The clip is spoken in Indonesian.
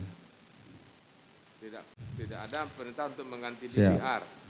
tidak ada perintah untuk mengganti dvr